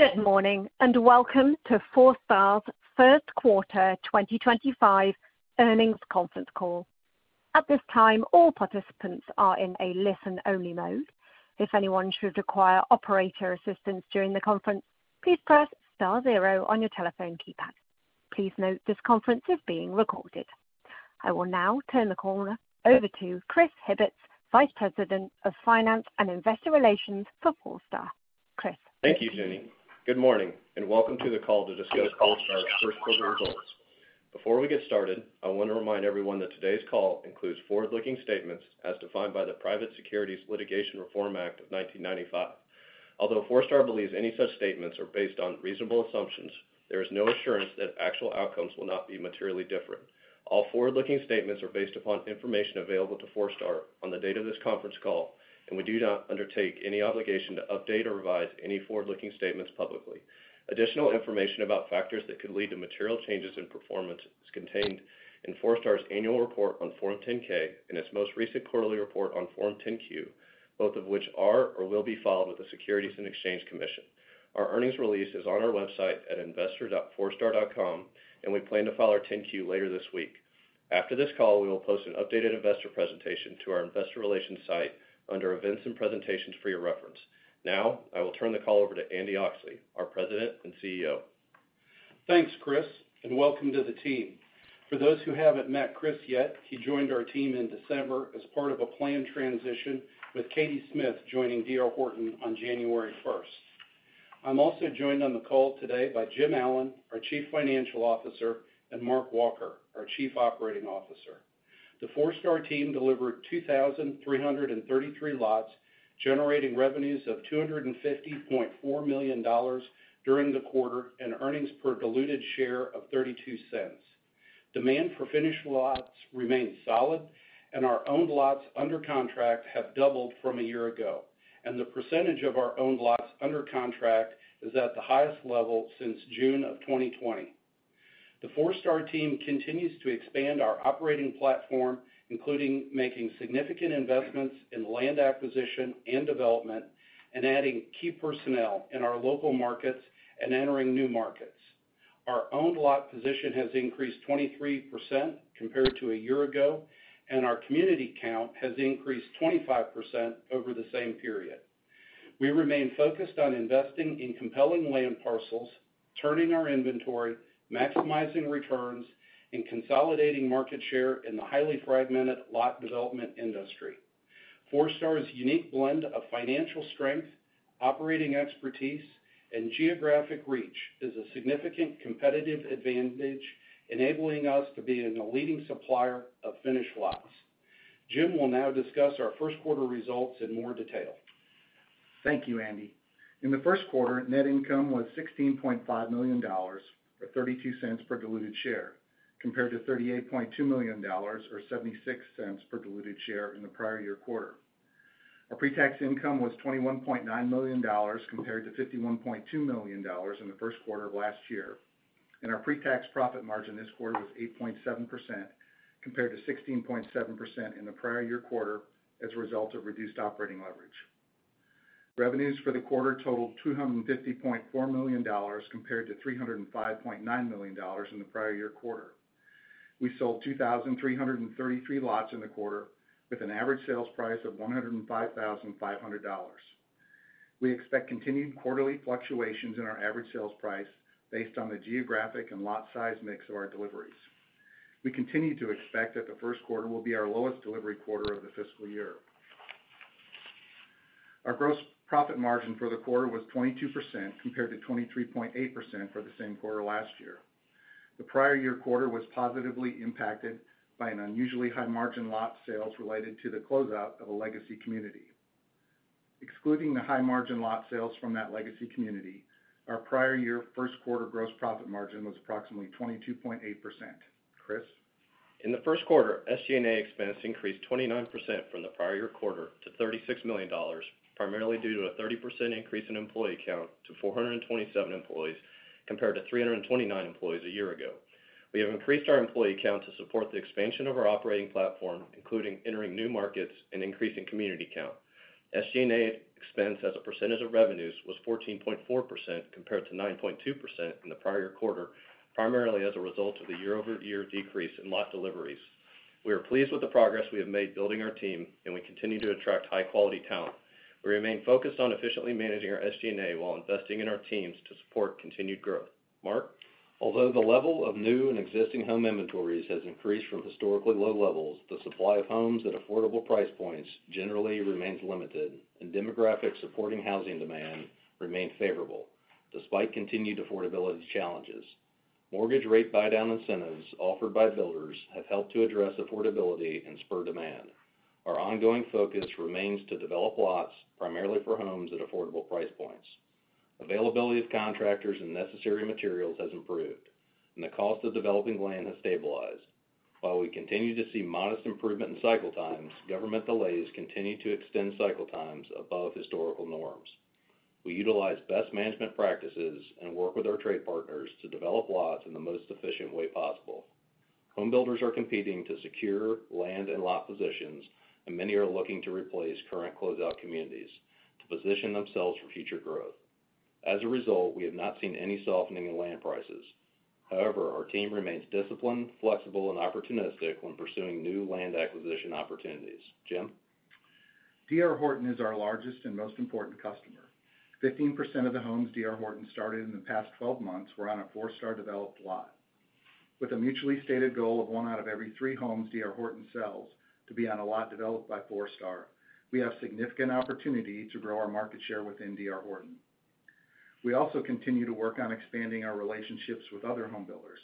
Good morning and welcome to Forestar's First Quarter 2025 Earnings Conference Call. At this time, all participants are in a listen-only mode. If anyone should require operator assistance during the conference, please press star zero on your telephone keypad. Please note this conference is being recorded. I will now turn the call over to Chris Hibbetts, Vice President of Finance and Investor Relations for Forestar. Chris. Thank you, Jenny. Good morning and welcome to the call to discuss Forestar's first quarter results. Before we get started, I want to remind everyone that today's call includes forward-looking statements as defined by the Private Securities Litigation Reform Act of 1995. Although Forestar believes any such statements are based on reasonable assumptions, there is no assurance that actual outcomes will not be materially different. All forward-looking statements are based upon information available to Forestar on the date of this conference call, and we do not undertake any obligation to update or revise any forward-looking statements publicly. Additional information about factors that could lead to material changes in performance is contained in Forestar's annual report on Form 10-K and its most recent quarterly report on Form 10-Q, both of which are or will be filed with the Securities and Exchange Commission. Our earnings release is on our website at investor.forestar.com, and we plan to file our 10-Q later this week. After this call, we will post an updated investor presentation to our investor relations site under Events and Presentations for your reference. Now, I will turn the call over to Andy Oxley, our President and CEO. Thanks, Chris, and welcome to the team. For those who haven't met Chris yet, he joined our team in December as part of a planned transition with Katie Smith joining D.R. Horton on January 1st. I'm also joined on the call today by Jim Allen, our Chief Financial Officer, and Mark Walker, our Chief Operating Officer. The Forestar team delivered 2,333 lots, generating revenues of $250.4 million during the quarter and earnings per diluted share of $0.32. Demand for finished lots remains solid, and our owned lots under contract have doubled from a year ago, and the percentage of our owned lots under contract is at the highest level since June of 2020. The Forestar team continues to expand our operating platform, including making significant investments in land acquisition and development, and adding key personnel in our local markets and entering new markets. Our owned lot position has increased 23% compared to a year ago, and our community count has increased 25% over the same period. We remain focused on investing in compelling land parcels, turning our inventory, maximizing returns, and consolidating market share in the highly fragmented lot development industry. Forestar's unique blend of financial strength, operating expertise, and geographic reach is a significant competitive advantage, enabling us to be a leading supplier of finished lots. Jim will now discuss our first quarter results in more detail. Thank you, Andy. In the first quarter, net income was $16.5 million or $0.32 per diluted share, compared to $38.2 million or $0.76 per diluted share in the prior year quarter. Our pre-tax income was $21.9 million compared to $51.2 million in the first quarter of last year, and our pre-tax profit margin this quarter was 8.7% compared to 16.7% in the prior year quarter as a result of reduced operating leverage. Revenues for the quarter totaled $250.4 million compared to $305.9 million in the prior year quarter. We sold 2,333 lots in the quarter with an average sales price of $105,500. We expect continued quarterly fluctuations in our average sales price based on the geographic and lot size mix of our deliveries. We continue to expect that the first quarter will be our lowest delivery quarter of the fiscal year. Our gross profit margin for the quarter was 22% compared to 23.8% for the same quarter last year. The prior year quarter was positively impacted by an unusually high margin lot sales related to the closeout of a legacy community. Excluding the high margin lot sales from that legacy community, our prior year first quarter gross profit margin was approximately 22.8%. Chris. In the first quarter, SG&A expense increased 29% from the prior year quarter to $36 million, primarily due to a 30% increase in employee count to 427 employees compared to 329 employees a year ago. We have increased our employee count to support the expansion of our operating platform, including entering new markets and increasing community count. SG&A expense as a percentage of revenues was 14.4% compared to 9.2% in the prior year quarter, primarily as a result of the year-over-year decrease in lot deliveries. We are pleased with the progress we have made building our team, and we continue to attract high-quality talent. We remain focused on efficiently managing our SG&A while investing in our teams to support continued growth. Mark. Although the level of new and existing home inventories has increased from historically low levels, the supply of homes at affordable price points generally remains limited, and demographic supporting housing demand remains favorable despite continued affordability challenges. Mortgage rate buy-down incentives offered by builders have helped to address affordability and spur demand. Our ongoing focus remains to develop lots primarily for homes at affordable price points. Availability of contractors and necessary materials has improved, and the cost of developing land has stabilized. While we continue to see modest improvement in cycle times, government delays continue to extend cycle times above historical norms. We utilize best management practices and work with our trade partners to develop lots in the most efficient way possible. Homebuilders are competing to secure land and lot positions, and many are looking to replace current closeout communities to position themselves for future growth. As a result, we have not seen any softening in land prices. However, our team remains disciplined, flexible, and opportunistic when pursuing new land acquisition opportunities. Jim. D.R. Horton is our largest and most important customer. 15% of the homes D.R. Horton started in the past 12 months were on a Forestar developed lot. With a mutually stated goal of one out of every three homes D.R. Horton sells to be on a lot developed by Forestar, we have significant opportunity to grow our market share within D.R. Horton. We also continue to work on expanding our relationships with other homebuilders.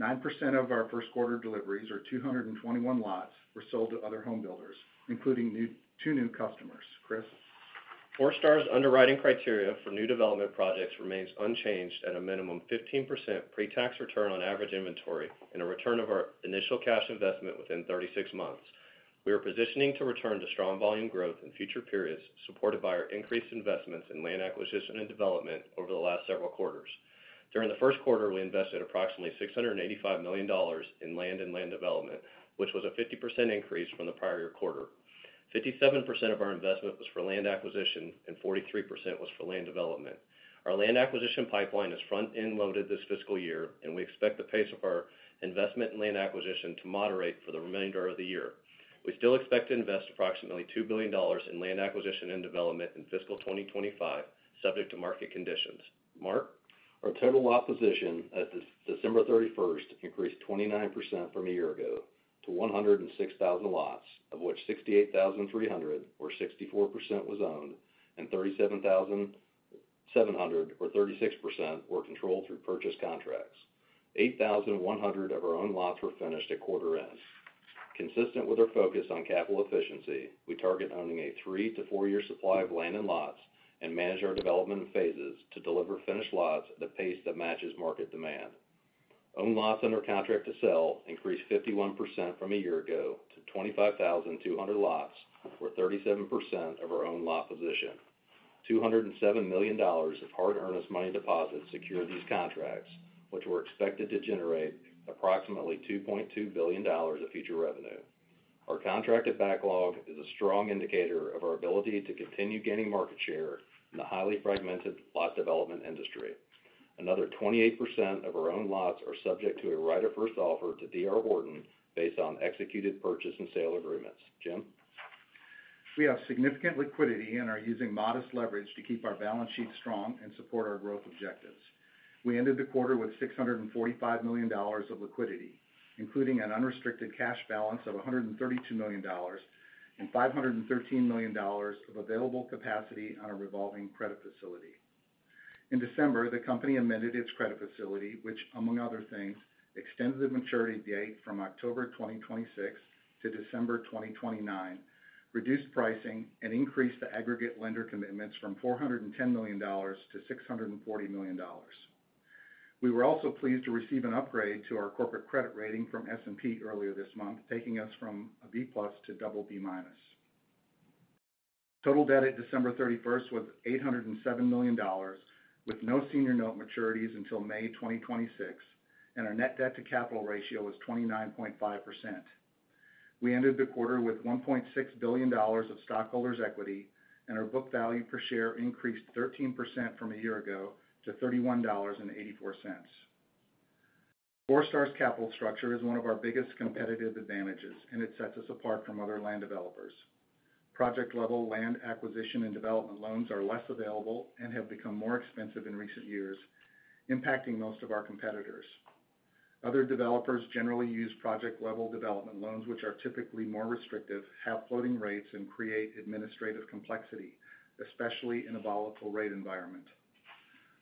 9% of our first quarter deliveries or 221 lots were sold to other homebuilders, including two new customers. Chris. Forestar's underwriting criteria for new development projects remains unchanged at a minimum 15% pre-tax return on average inventory and a return of our initial cash investment within 36 months. We are positioning to return to strong volume growth in future periods supported by our increased investments in land acquisition and development over the last several quarters. During the first quarter, we invested approximately $685 million in land and land development, which was a 50% increase from the prior year quarter. 57% of our investment was for land acquisition, and 43% was for land development. Our land acquisition pipeline is front-end loaded this fiscal year, and we expect the pace of our investment in land acquisition to moderate for the remainder of the year. We still expect to invest approximately $2 billion in land acquisition and development in fiscal 2025, subject to market conditions. Mark. Our total lot position as of December 31st increased 29% from a year ago to 106,000 lots, of which 68,300 or 64% was owned and 37,700 or 36% were controlled through purchase contracts. 8,100 of our own lots were finished at quarter end. Consistent with our focus on capital efficiency, we target owning a three to four-year supply of land and lots and manage our development in phases to deliver finished lots at a pace that matches market demand. Owned lots under contract to sell increased 51% from a year ago to 25,200 lots, or 37% of our owned lot position. $207 million of hard earnest money deposits secured these contracts, which were expected to generate approximately $2.2 billion of future revenue. Our contracted backlog is a strong indicator of our ability to continue gaining market share in the highly fragmented lot development industry. Another 28% of our owned lots are subject to a right-of-first offer to D.R. Horton based on executed purchase and sale agreements. Jim. We have significant liquidity and are using modest leverage to keep our balance sheet strong and support our growth objectives. We ended the quarter with $645 million of liquidity, including an unrestricted cash balance of $132 million and $513 million of available capacity on a revolving credit facility. In December, the company amended its credit facility, which, among other things, extended the maturity date from October 2026 to December 2029, reduced pricing, and increased the aggregate lender commitments from $410 million to $640 million. We were also pleased to receive an upgrade to our corporate credit rating from S&P earlier this month, taking us from a B+ to BB-. Total debt at December 31st was $807 million, with no senior note maturities until May 2026, and our net debt to capital ratio was 29.5%. We ended the quarter with $1.6 billion of stockholders' equity, and our book value per share increased 13% from a year ago to $31.84. Forestar's capital structure is one of our biggest competitive advantages, and it sets us apart from other land developers. Project-level land acquisition and development loans are less available and have become more expensive in recent years, impacting most of our competitors. Other developers generally use project-level development loans, which are typically more restrictive, have floating rates, and create administrative complexity, especially in a volatile rate environment.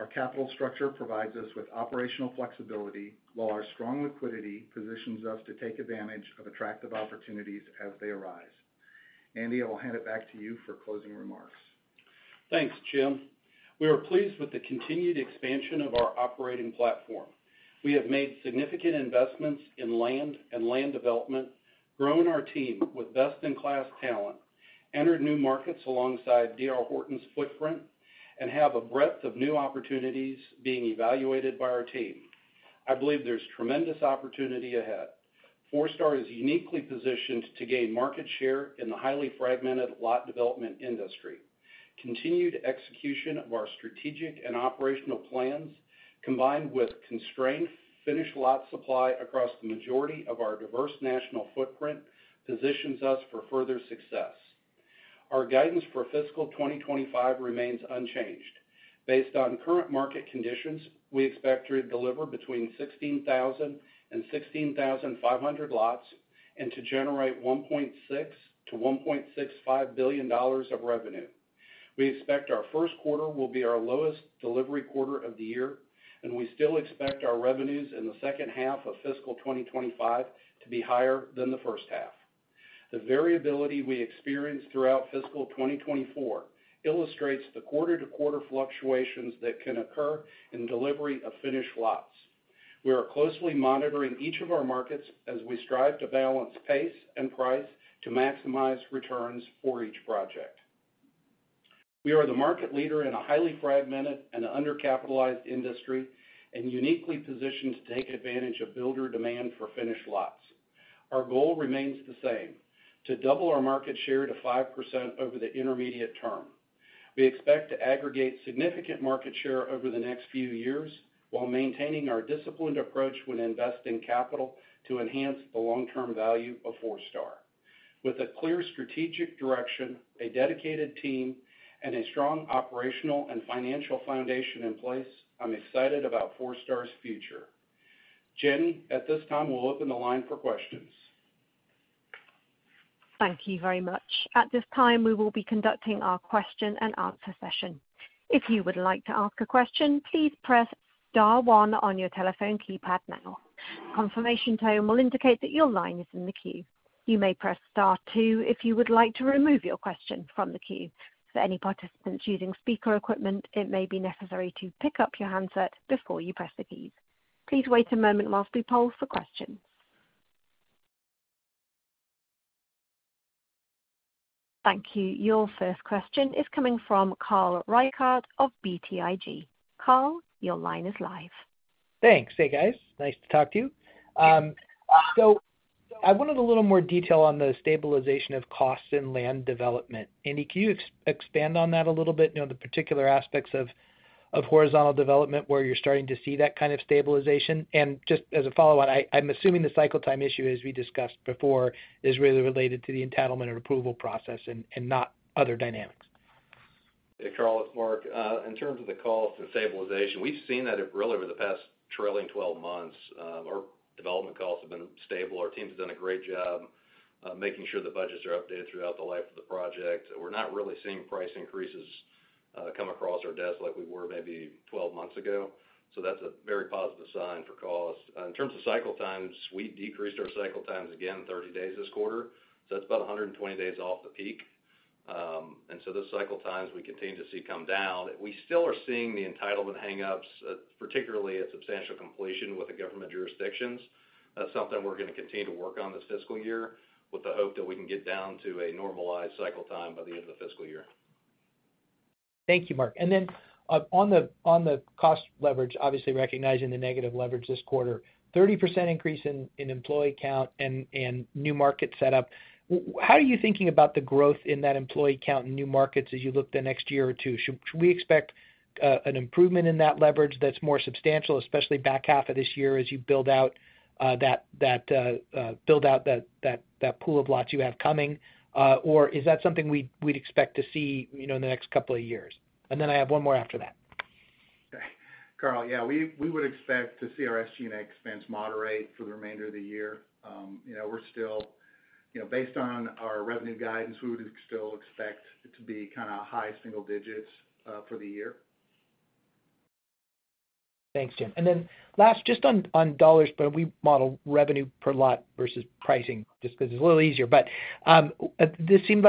Our capital structure provides us with operational flexibility, while our strong liquidity positions us to take advantage of attractive opportunities as they arise. Andy, I will hand it back to you for closing remarks. Thanks, Jim. We are pleased with the continued expansion of our operating platform. We have made significant investments in land and land development, grown our team with best-in-class talent, entered new markets alongside D.R. Horton's footprint, and have a breadth of new opportunities being evaluated by our team. I believe there's tremendous opportunity ahead. Forestar is uniquely positioned to gain market share in the highly fragmented lot development industry. Continued execution of our strategic and operational plans, combined with constrained finished lot supply across the majority of our diverse national footprint, positions us for further success. Our guidance for fiscal 2025 remains unchanged. Based on current market conditions, we expect to deliver between 16,000 and 16,500 lots and to generate $1.6 billion-$1.65 billion of revenue. We expect our first quarter will be our lowest delivery quarter of the year, and we still expect our revenues in the second half of fiscal 2025 to be higher than the first half. The variability we experienced throughout fiscal 2024 illustrates the quarter-to-quarter fluctuations that can occur in delivery of finished lots. We are closely monitoring each of our markets as we strive to balance pace and price to maximize returns for each project. We are the market leader in a highly fragmented and undercapitalized industry and uniquely positioned to take advantage of builder demand for finished lots. Our goal remains the same: to double our market share to 5% over the intermediate term. We expect to aggregate significant market share over the next few years while maintaining our disciplined approach when investing capital to enhance the long-term value of Forestar. With a clear strategic direction, a dedicated team, and a strong operational and financial foundation in place, I'm excited about Forestar's future. Jenny, at this time, we'll open the line for questions. Thank you very much. At this time, we will be conducting our question-and-answer session. If you would like to ask a question, please press star one on your telephone keypad now. Confirmation tone will indicate that your line is in the queue. You may press star two if you would like to remove your question from the queue. For any participants using speaker equipment, it may be necessary to pick up your handset before you press the keys. Please wait a moment while we poll for questions. Thank you. Your first question is coming from Carl Reichardt of BTIG. Carl, your line is live. Thanks. Hey, guys. Nice to talk to you. So I wanted a little more detail on the stabilization of costs in land development. Andy, can you expand on that a little bit, the particular aspects of horizontal development where you're starting to see that kind of stabilization? And just as a follow-on, I'm assuming the cycle time issue, as we discussed before, is really related to the entitlement or approval process and not other dynamics. Hey, Carl, it's Mark. In terms of the cost and stabilization, we've seen that really over the past trailing 12 months, our development costs have been stable. Our team's done a great job making sure the budgets are updated throughout the life of the project. We're not really seeing price increases come across our desk like we were maybe 12 months ago. So that's a very positive sign for cost. In terms of cycle times, we decreased our cycle times again 30 days this quarter. So that's about 120 days off the peak. And so those cycle times we continue to see come down. We still are seeing the entitlement hang-ups, particularly at substantial completion with the government jurisdictions. That's something we're going to continue to work on this fiscal year with the hope that we can get down to a normalized cycle time by the end of the fiscal year. Thank you, Mark. And then on the cost leverage, obviously recognizing the negative leverage this quarter, 30% increase in employee count and new market setup. How are you thinking about the growth in that employee count and new markets as you look the next year or two? Should we expect an improvement in that leverage that's more substantial, especially back half of this year as you build out that pool of lots you have coming? Or is that something we'd expect to see in the next couple of years? And then I have one more after that. Okay. Carl, yeah, we would expect to see our SG&A expense moderate for the remainder of the year. We're still, based on our revenue guidance, we would still expect it to be kind of high single digits for the year. Thanks, Jim. And then last, just on dollars, but we model revenue per lot versus pricing just because it's a little easier. But this seemed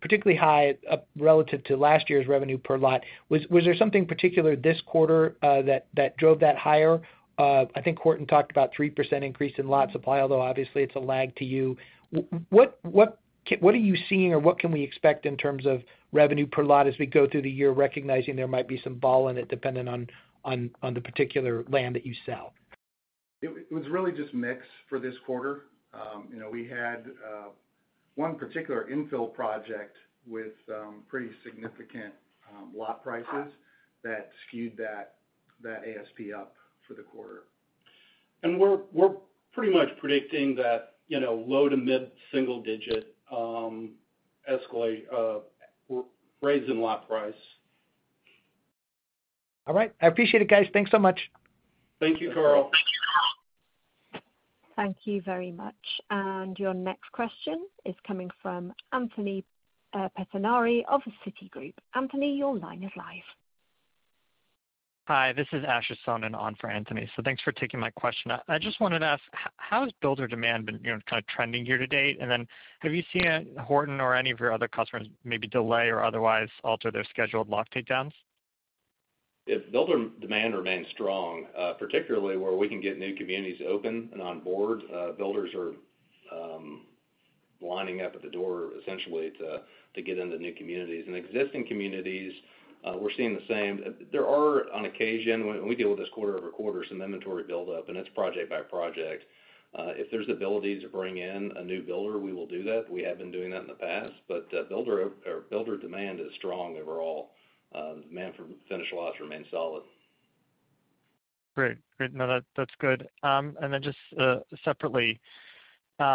particularly high relative to last year's revenue per lot. Was there something particular this quarter that drove that higher? I think Horton talked about a 3% increase in lot supply, although obviously it's a lag to you. What are you seeing or what can we expect in terms of revenue per lot as we go through the year, recognizing there might be some vol in it depending on the particular land that you sell? It was really just mix for this quarter. We had one particular infill project with pretty significant lot prices that skewed that ASP up for the quarter. And we're pretty much predicting that low to mid single-digit escalate raise in lot price. All right. I appreciate it, guys. Thanks so much. Thank you, Carl. Thank you very much. And your next question is coming from Anthony Pettinari of Citigroup. Anthony, your line is live. Hi, this is Asher Sohnen on for Anthony. So thanks for taking my question. I just wanted to ask, how has builder demand been kind of trending year to date? And then have you seen Horton or any of your other customers maybe delay or otherwise alter their scheduled lot takedowns? If builder demand remains strong, particularly where we can get new communities open and on board, builders are lining up at the door essentially to get into new communities. In existing communities, we're seeing the same. There are, on occasion, when we deal with this quarter over quarter, some inventory buildup, and it's project by project. If there's ability to bring in a new builder, we will do that. We have been doing that in the past. But builder demand is strong overall. Demand for finished lots remains solid. Great. Great. No, that's good. And then just separately, are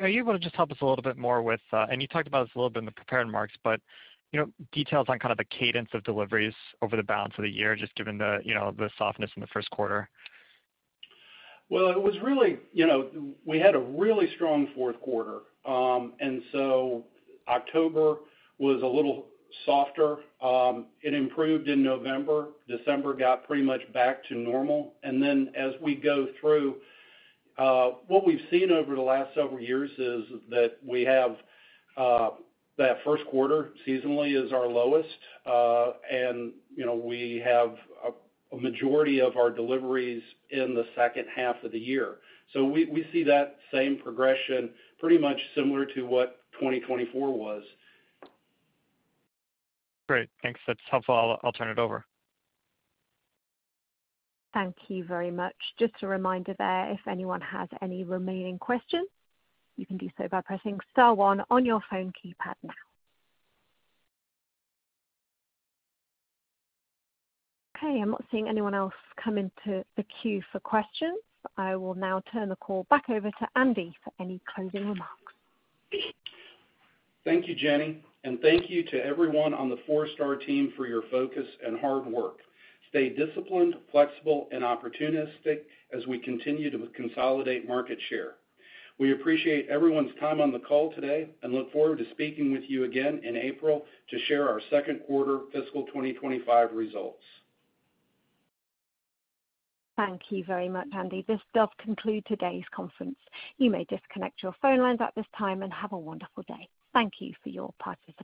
you able to just help us a little bit more with, and you talked about this a little bit in the prepared remarks, but details on kind of the cadence of deliveries over the balance of the year, just given the softness in the first quarter? It was really. We had a really strong fourth quarter, so October was a little softer. It improved in November. December got pretty much back to normal, and then as we go through, what we've seen over the last several years is that we have that first quarter seasonally is our lowest, and we have a majority of our deliveries in the second half of the year, so we see that same progression, pretty much similar to what 2024 was. Great. Thanks. That's helpful. I'll turn it over. Thank you very much. Just a reminder there, if anyone has any remaining questions, you can do so by pressing star one on your phone keypad now. Okay. I'm not seeing anyone else come into the queue for questions. I will now turn the call back over to Andy for any closing remarks. Thank you, Jenny. And thank you to everyone on the Forestar team for your focus and hard work. Stay disciplined, flexible, and opportunistic as we continue to consolidate market share. We appreciate everyone's time on the call today and look forward to speaking with you again in April to share our second quarter fiscal 2025 results. Thank you very much, Andy. This does conclude today's conference. You may disconnect your phone lines at this time and have a wonderful day. Thank you for your participation.